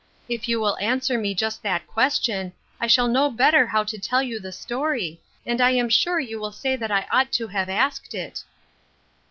If you will answer me just that question, I shall know better how to tell you the story, and I am sure you will say that I ought to have asked it."